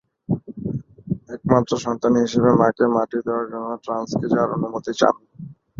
একমাত্র সন্তান হিসেবে মাকে মাটি দেওয়ার জন্য ট্রানস্কি যাওয়ার অনুমতি চান।